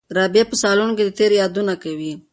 رابعه په صالون کې تېر یادونه کوي.